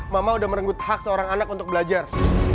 mama udah merenggut hak seorang anak untuk belajar